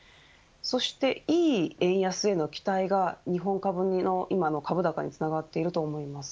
そして、いい円安への期待が日本株の株高につながっていると思います。